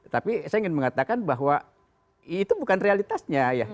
tapi saya ingin mengatakan bahwa itu bukan realitasnya ya